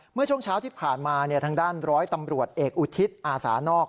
เมื่อช่วงเช้าที่ผ่านมาทางด้านร้อยตำรวจเอกอุทิศอาสานอก